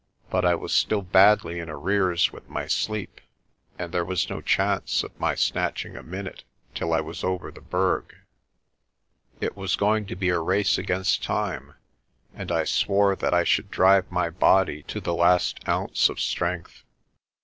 But I was still badly in arrears with my sleep, and there was no chance of my snatching a minute till I was over the Berg. It was going to be a race against time, and I swore that I should drive my body to the last ounce of strength.